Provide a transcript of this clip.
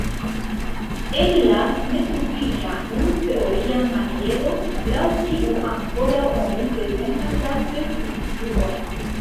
El la nesufiĉa, nur teoria maniero, laŭ kiu ankoraŭ oni prezentas la kred-instruojn!